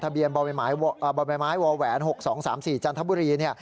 ทะเบียนบ่อยไม้วอแหวน๖๒๓๔จันทบุรี